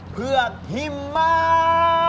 เผือกหิมมา